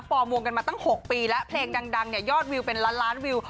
ปลอมวงกันมาตั้ง๖ปีแล้วเพลงดังเนี่ยยอดวิวเป็นล้านล้านวิว